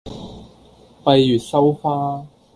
閉月羞花